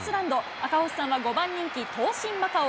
赤星さんは５番人気、トウシンマカオ。